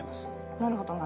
なるほど。